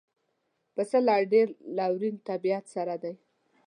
پسه له ډېر لورین طبیعت سره دی.